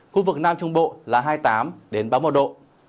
khu vực nam trung bộ là hai mươi tám ba mươi một độ